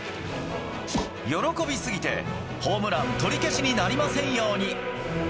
「喜びすぎてホームラン取り消しになりませんように」。